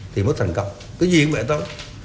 thì mới thành công cái gì cũng vậy thôi